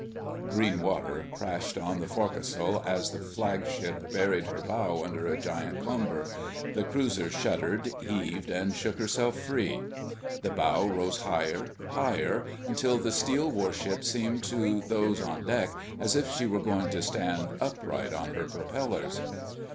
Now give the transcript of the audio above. Green water crashed on the forecastle as the flagship buried her bow under a giant comber. The cruiser shuddered, heaved, and shook herself free. The bow rose higher, higher, until the steel warship seemed to those on deck as if she were going to stand upright on her propellers.